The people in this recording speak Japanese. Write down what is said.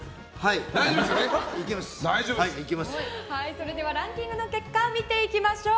それではランキングの結果を見ていきましょう。